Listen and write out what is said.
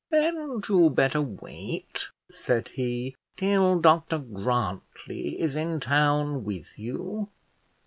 "Hadn't you better wait," said he, "till Dr Grantly is in town with you?